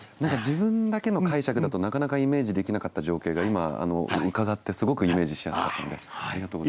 自分だけの解釈だとなかなかイメージできなかった情景が今伺ってすごくイメージしやすかったのでありがとうございます。